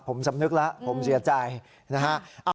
ผมสำนึกแล้วผมเสียใจนะฮะ